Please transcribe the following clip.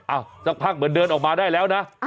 อ้าวเจ้ากพักเหมือนเดินออกมาได้แล้วนะ